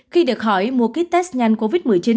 khi được hỏi mua ký test nhanh covid một mươi chín